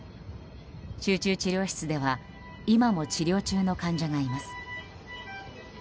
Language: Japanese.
集中治療室では今も治療中の患者がいます。